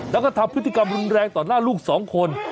แล้วก็ทำพฤติกรรมรุนแรงต่อหน้าลูกสองคน